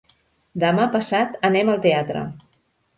Demà passat anem al teatre.